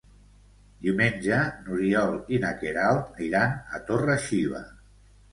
Diumenge n'Oriol i na Queralt iran a Torre-xiva.